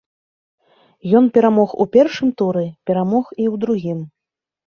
Ён перамог у першым туры, перамог і ў другім.